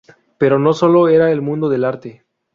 Pero no solo era el mundo del arte.